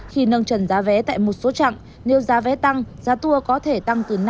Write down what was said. khi nâng trần giá vé tại một số trạng nếu giá vé tăng giá tour có thể tăng từ năm bảy